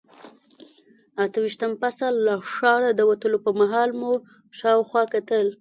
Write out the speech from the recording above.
اته ویشتم فصل، له ښاره د وتلو پر مهال مو شاوخوا کتل.